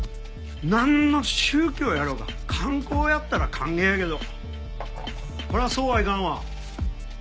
なんの宗教やろうが観光やったら歓迎やけどこれはそうはいかんわ。